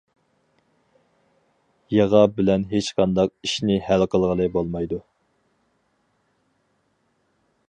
يىغا بىلەن ھېچقانداق ئىشىنى ھەل قىلغىلى بولمايدۇ.